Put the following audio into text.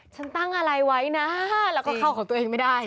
ฉันตั้งอะไรไว้นะแล้วก็เข้าของตัวเองไม่ได้